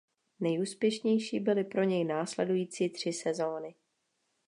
Nejúspěšnější byly pro něj následující tři sezóny.